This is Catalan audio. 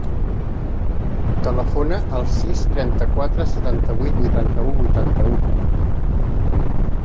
Telefona al sis, trenta-quatre, setanta-vuit, vuitanta-u, vuitanta-u.